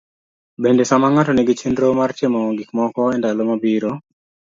Bende, sama ng'ato nigi chenro mar timo gikmoko e ndalo mabiro.